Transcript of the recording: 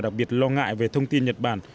đặc biệt lo ngại về thông tin nhật bản